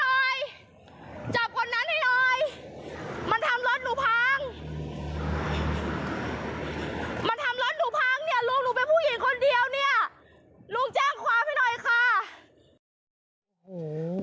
ลูกแจ้งความให้หน่อยค่ะ